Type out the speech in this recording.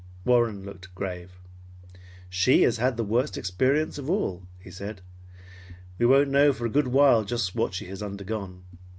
Warren looked grave. "She has had the worst experience of all," he said. "We won't know for a good while just what she has undergone.